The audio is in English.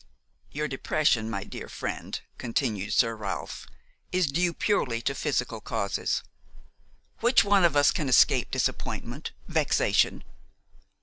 "Your depression, my dear friend," continued Sir Ralph, "is due purely to physical causes; which one of us can escape disappointment, vexation?